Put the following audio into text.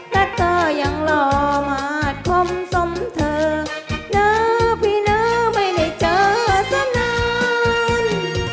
แต่ก็ยังรอมาดคมสมเธอเนอร์พี่เนอร์ไม่ได้เจอเซอร์นาน